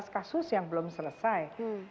delapan belas kasus yang belum selesai